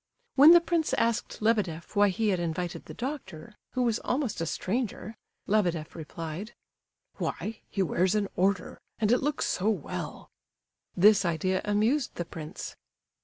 When the prince asked Lebedeff why he had invited the doctor, who was almost a stranger, Lebedeff replied: "Why, he wears an 'order,' and it looks so well!" This idea amused the prince.